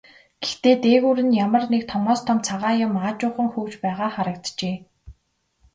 Гэхдээ дээгүүр нь ямар нэг томоос том цагаан юм аажуухан хөвж байгаа харагджээ.